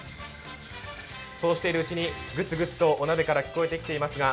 そうしているうちに、グツグツとお鍋から聞こえてきています。